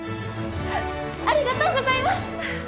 ありがとうございます！